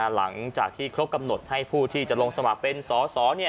หลังจากที่ครบกำหนดให้ผู้ที่จะลงสมัครเป็นสอสอ